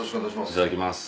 いただきます。